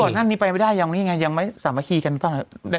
ขอร์มอร์นั่นนี้ไปไม่ได้ยังไงยังไม่สามารถทีกันหรือเปล่า